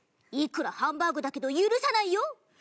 いくらハンバーグだけど許さないよ。